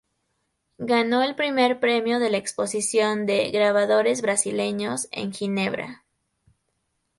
Ganó el primer premio de la exposición de "Grabadores Brasileños" en Ginebra.